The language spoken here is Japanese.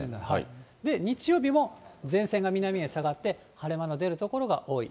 日曜日も前線が南へ下がって、晴れ間の出る所が多い。